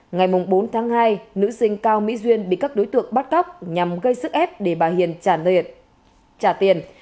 ngày bốn tháng hai nữ sinh cao mỹ duyên bị các đối tượng bắt cóc nhằm gây sức ép để bà hiền trả nợ trả tiền